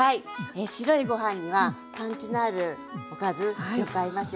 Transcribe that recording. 白いご飯にはパンチのあるおかずよく合いますよね。